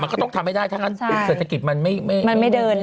มันก็ต้องทำให้ได้ถ้างั้นเศรษฐกิจมันไม่เดิน